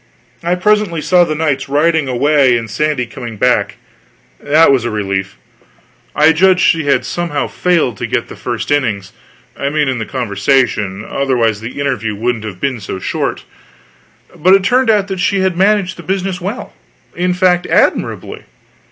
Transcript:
I presently saw the knights riding away, and Sandy coming back. That was a relief. I judged she had somehow failed to get the first innings I mean in the conversation; otherwise the interview wouldn't have been so short. But it turned out that she had managed the business well; in fact, admirably.